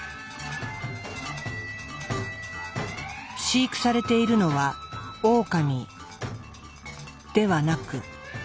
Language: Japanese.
飼育されているのはオオカミではなく。